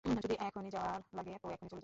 যদি এখনই যাওয়া লাগে, তো এখনই চলে যাবো।